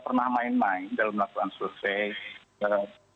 pernah main main dalam melakukan survei